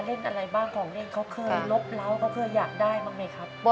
เล่นอะไรบ้างของเล่นเขาเคยลบเล้าเขาเคยอยากได้บ้างไหมครับ